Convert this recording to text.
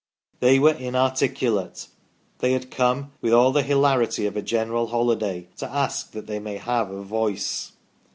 They were inarticulate. They had come, with all the hilarity of a general holiday, to ask that they might have a Voice.